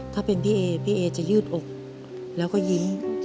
ถ้าเป็นพี่เอก็ยืดอกแล้วก็ยิ้ม